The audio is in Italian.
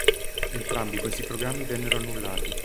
Entrambi questi programmi vennero annullati.